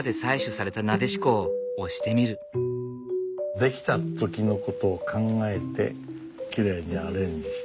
出来た時のことを考えてきれいにアレンジして。